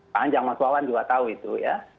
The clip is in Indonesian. panjang masyarakat juga tahu itu ya